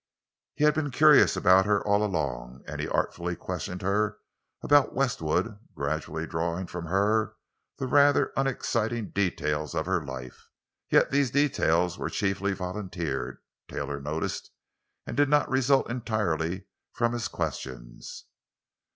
He had been curious about her all along, and he artfully questioned her about Westwood, gradually drawing from her the rather unexciting details of her life. Yet these details were chiefly volunteered, Taylor noticed, and did not result entirely from his questions.